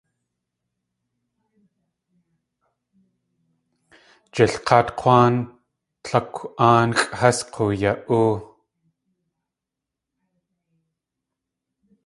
Jilk̲áat K̲wáan Tlákw Aanxʼ has k̲uya.óo.